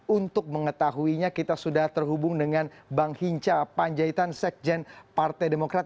untuk mengetahuinya kita sudah terhubung dengan bang hinca panjaitan sekjen partai demokrat